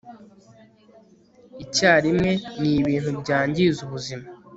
icyarimwe ni ibintu byangiza ubuzima